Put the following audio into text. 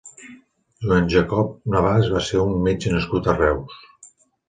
Joan Jacob Navàs va ser un metge nascut a Reus.